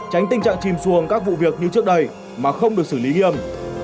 tránh tình trạng chìm xuồng các vụ việc như trước đây mà không được xử lý nghiêm